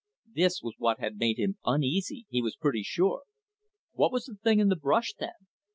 This was what had made him uneasy, he was pretty sure. What was the thing in the brush, then?